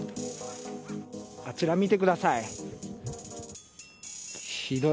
あちら、見てください。